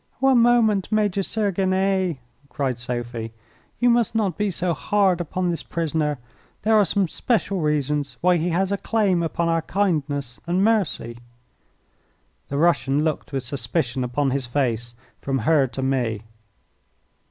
"One moment, Major Sergine," cried Sophie. "You must not be so hard upon this prisoner. There are some special reasons why he has a claim upon our kindness and mercy." The Russian looked with suspicion upon his face from her to me.